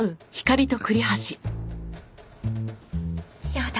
やだ